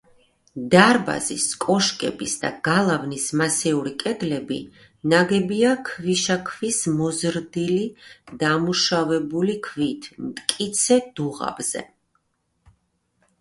დარბაზის, კოშკების და გალავნის მასიური კედლები ნაგებია ქვიშაქვის მოზრდილი, დამუშავებული ქვით, მტკიცე დუღაბზე.